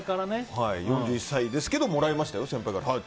４１歳ですけどもらいましたよ、先輩から。